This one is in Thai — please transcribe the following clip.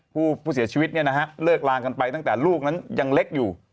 ผู้เสียชีวิตเลิกลากันไปตั้งแต่ลูกนั้นยังเล็กอยู่